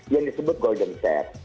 yang disebut golden share